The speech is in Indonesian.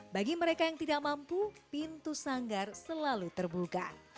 bagi mereka yang tidak mampu pintu sanggar selalu terbuka